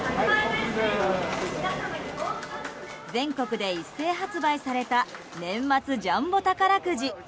全国で一斉発売された年末ジャンボ宝くじ。